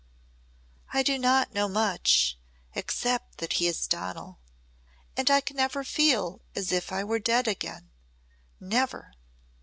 "I do not know much except that he is Donal. And I can never feel as if I were dead again never."